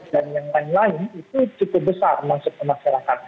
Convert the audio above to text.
dan yang lain lain itu cukup besar maksud pemasyarakat